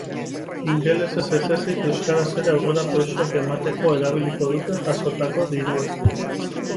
Ingelesez ez ezik euskaraz ere aurrera pausoak emateko erabiliko dute jasotako dirua.